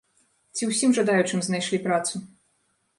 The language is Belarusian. Ці ўсім жадаючым знайшлі працу?